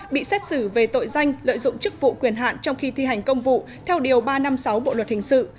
bị xét xử về tội danh lợi dụng chức vụ quyền hạn trong khi thi hành công vụ theo điều ba trăm năm mươi sáu bộ luật hình sự